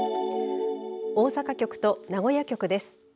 大阪局と名古屋局です。